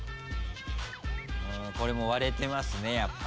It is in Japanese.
これも割れてますねやっぱりね。